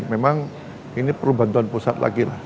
memang ini perlu bantuan pusat lagi lah